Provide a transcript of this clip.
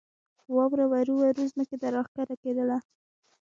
واورې ورو ورو ځمکې ته راکښته کېدلې.